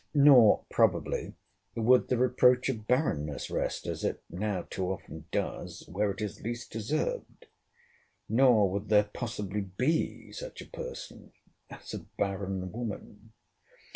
Nor, probably, would the reproach of barrenness rest, as it now too often does, where it is least deserved.—Nor would there possibly be such a person as a barren woman.